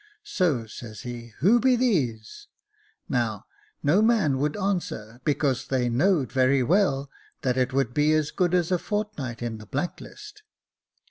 So says he, ' Whose be these ?' Now, no man would answer, because they knowed very well that it would be as good as a fortnight in the black list.